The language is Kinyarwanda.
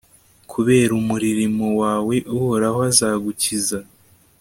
kubera umuririmo wawe, uhoraho azagukiza